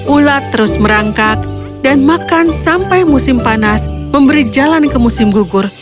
ulat terus merangkak dan makan sampai musim panas memberi jalan ke musim gugur